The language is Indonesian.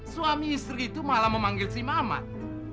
suami istri itu malah memanggil si mamat